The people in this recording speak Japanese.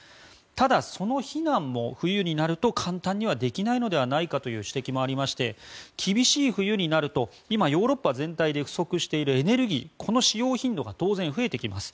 ただ、その避難も冬になると簡単にはできないのではないかという指摘もありまして厳しい冬になると今、ヨーロッパ全体で不足しているエネルギーこの使用頻度が当然、増えてきます。